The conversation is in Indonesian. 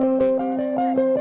lalu dia nyaman